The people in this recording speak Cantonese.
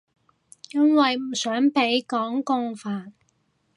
因為唔想畀港共煩